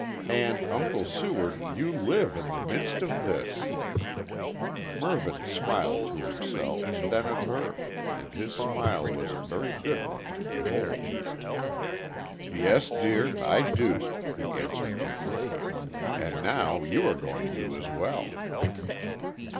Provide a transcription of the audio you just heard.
And Uncle Seward, you live in the midst of this!" Mervyn smiled to himself, then at her, and his smile was a very good one to behold. "Yes, dear, I do," he answered gently. "And now you are going to as well."